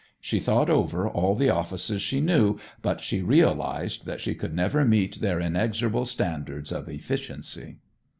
She thought over all the offices she knew, but she realized that she could never meet their inexorable standards of efficiency.